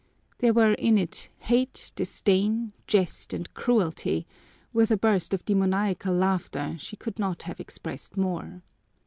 There were in it hate, disdain, jest, and cruelty; with a burst of demoniacal laughter she could not have expressed more.